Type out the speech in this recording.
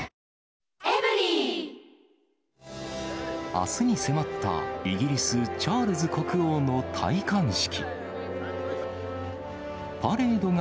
あすに迫った、イギリス、チャールズ国王の戴冠式。